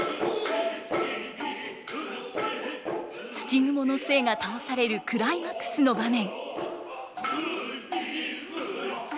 土蜘蛛の精が倒されるクライマックスの場面。